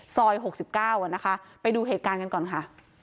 ซอยหกสิบเก้าอ่ะนะคะไปดูเหตุการณ์กันก่อนค่ะ